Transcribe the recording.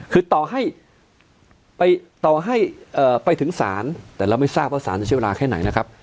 คือต่อให้ไปต่อให้ไปถึงศาลแต่เราไม่ทราบว่าสารจะใช้เวลาแค่ไหนนะครับ